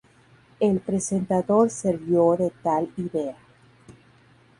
El presentador se rio de tal idea.